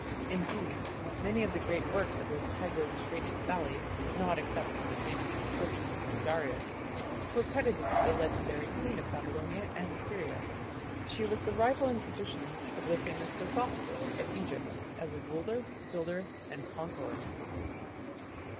Indeed, many of the great works in the Tigro Euphrates valley, not excepting the famous inscription of Darius, were credited to the legendary queen of Babylonia and Assyria. She was the rival in tradition of the famous Sesostris of Egypt as a ruler, builder, and conqueror.